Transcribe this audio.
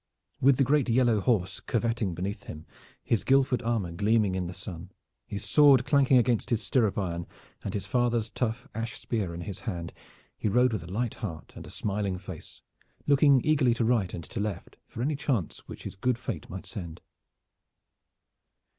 With the great yellow horse curveting beneath him, his Guildford armor gleaming in the sun, his sword clanking against his stirrup iron, and his father's tough ash spear in his hand, he rode with a light heart and a smiling face, looking eagerly to right and to left for any chance which his good Fate might send.